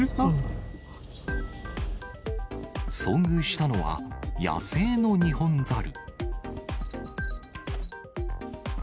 遭遇したのは野生のニホンザル。